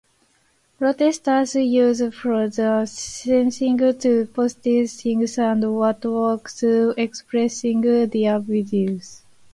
Protesters used the fencing to post signs and artwork expressing their views.